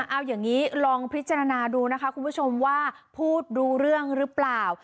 เอาอย่างนี้ลองพิจารณาดูนะคะคุณผู้ชมว่าพูดรู้เรื่องหรือเปล่า